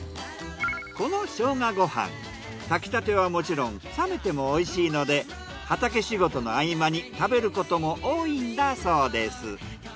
このショウガご飯炊きたてはもちろん冷めてもおいしいので畑仕事の合間に食べることも多いんだそうです。